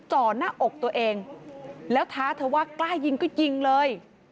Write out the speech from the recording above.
จ่อหน้าอกตัวเองแล้วท้าเธอว่ากล้ายิงก็ยิงเลย